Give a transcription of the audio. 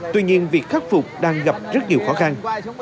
tuy nhiên việc khắc phục đang gặp rất nhiều khó khăn